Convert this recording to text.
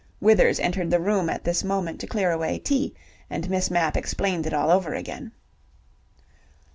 Withers entered the room at this moment to clear away tea, and Miss Mapp explained it all over again.